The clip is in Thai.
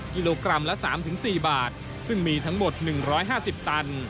กิโลกรัมละ๓๔บาทซึ่งมีทั้งหมด๑๕๐ตัน